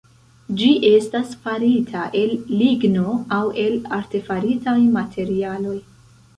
Ĝi estas farita el ligno aŭ el artefaritaj materialoj.